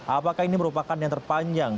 apakah ini merupakan yang terpanjang